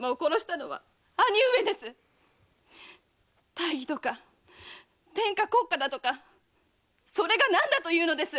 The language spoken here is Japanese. “大儀”とか“天下国家”だとかそれが何だと言うのです！